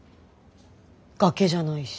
崖じゃないし。